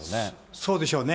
そうでしょうね。